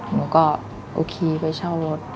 หนูก็โอเคไปเช่ารถ